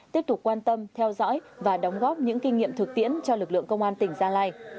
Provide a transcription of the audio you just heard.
tiếp tục quan tâm theo dõi và đóng góp những kinh nghiệm thực tiễn cho lực lượng công an tỉnh gia lai